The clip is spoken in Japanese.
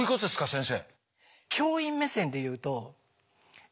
先生。